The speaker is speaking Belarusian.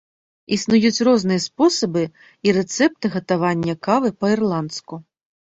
Існуюць розныя спосабы і рэцэпты гатавання кавы па-ірландску.